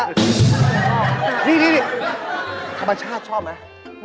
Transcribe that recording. ไม่ต้องนี่ธรรมชาติชอบไหม